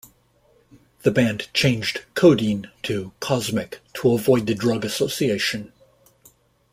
The band changed "codeine" to "cosmic" to avoid the drug association.